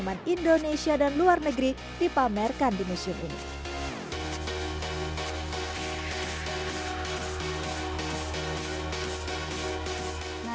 dan pembahasan indonesia dan luar negeri dipamerkan di museum ini